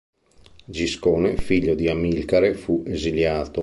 Giscone, figlio di Amilcare, fu esiliato.